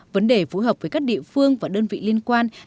vấn đề phù hợp với các địa phương và đơn vị liên quan